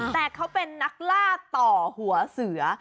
แต่เขาเป็นนักล่าต่อหัวเสือ